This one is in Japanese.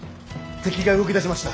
敵が動き出しました。